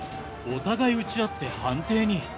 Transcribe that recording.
お互い打ち合って判定に。